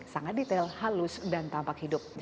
sangat detail halus dan tampak hidup